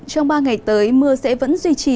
trong ba ngày tới mưa sẽ vẫn duy trì